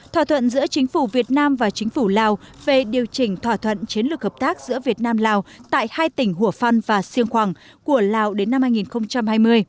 thỏa thuận giữa chính phủ việt nam và chính phủ lào về điều chỉnh thỏa thuận chiến lược hợp tác giữa việt nam lào tại hai tỉnh hủa phăn và siêng khoảng của lào đến năm hai nghìn hai mươi